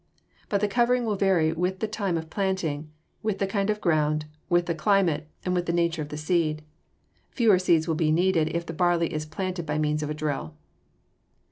But the covering will vary with the time of planting, with the kind of ground, with the climate, and with the nature of the season. Fewer seeds will be needed if the barley is planted by means of a drill.